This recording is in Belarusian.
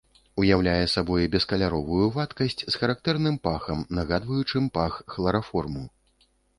Уяўляе сабой бескаляровую вадкасць з характэрным пахам, нагадваючым пах хлараформу.